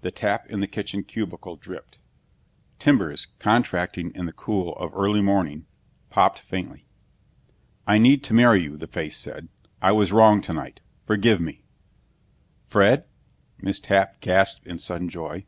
The tap in the kitchen cubicle dripped. Timbers, contracting in the cool of early morning, popped faintly. "I need to marry you," the face said. "I was wrong tonight. Forgive me." "Fred?" Miss Tapp gasped in sudden joy.